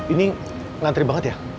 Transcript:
ini nganteri banget ya